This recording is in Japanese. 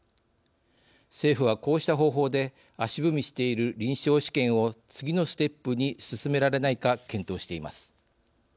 政府はこうした方法で足踏みしている臨床試験を次のステップに進められないか検討しています。